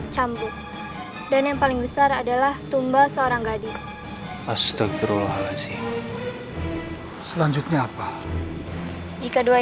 cepat serahkan suami itu